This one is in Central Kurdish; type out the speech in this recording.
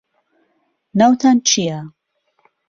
ناوتان چییە؟